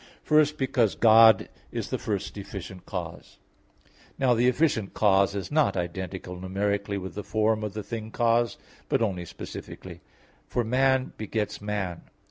First, because God is the first efficient cause. Now the efficient cause is not identical numerically with the form of the thing caused, but only specifically: for man begets man.